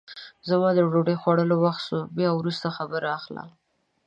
زما د ډوډۍ خوړلو وخت سو بیا وروسته خبر اخله!